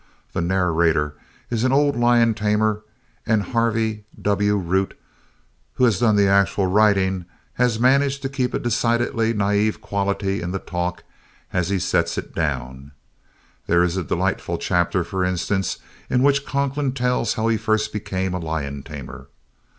The narrator is an old lion tamer and Harvey W. Root, who has done the actual writing, has managed to keep a decidedly naïve quality in the talk as he sets it down. There is a delightful chapter, for instance, in which Conklin tells how he first became a lion tamer.